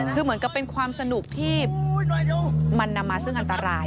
คือเหมือนกับเป็นความสนุกที่มันนำมาซึ่งอันตราย